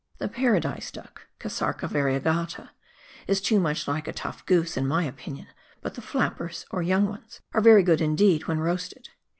The Paradise duck {Cosarca variegata) is too much like a tough goose, in my opinion, but the *' flappers," or young ones, are very good indeed when roasted.